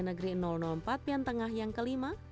negeri empat piantengah yang kelima